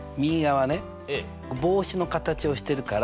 帽子の形をしてるから「キャップ」。